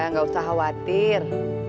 gak usah khawatir